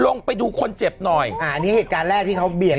ลงไปดูคนเจ็บหน่อย